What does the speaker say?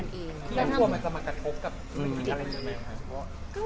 มีตัวมันจะมากระทบกับเคนะ